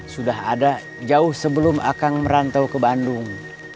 sudah ada jauh sebelum akang merantau ke bandung